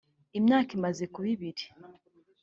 imyaka imaze kuba ibiri